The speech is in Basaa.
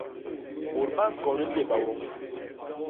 Bôt ba ñkon nlémba woñi.